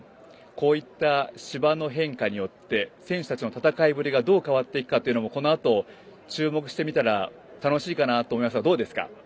こういった芝の変化によって選手たちの戦いぶりがどう変わっていくかというのもこのあと注目してみたら楽しいかなと思いますがどうですか？